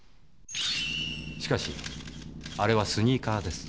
しかしあれはスニーカーです。